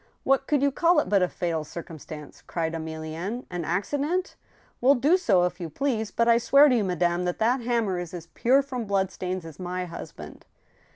" What could you call it but a fatal circumstance ?" cried Emi lienne. '* An accident ?^ Well, do so, if you please* But I swear to you, madame, that that hammer is as pure from bloodstains as my husband